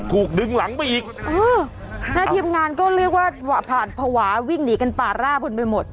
ถูกดึงหลังไปอีกเออแล้วทีมงานก็เรียกว่าผ่านภาวะวิ่งหนีกันป่าร่าบนไปหมด